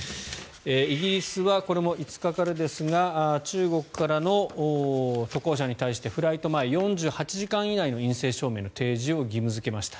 イギリスはこれも５日からですが中国からの渡航者に対してフライト前４８時間以内の陰性証明の提示を義務付けました。